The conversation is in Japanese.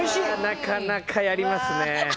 なかなかやりますね。